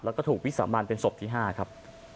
แล้วก็ถูกวิสามันเป็นศพที่๕ครับ